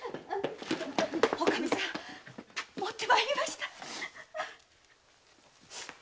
おかみさん持ってまいりました！